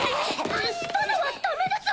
スパナはダメです！